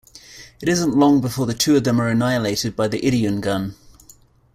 It isn't long before the two of them are annihilated by the Ideon Gun.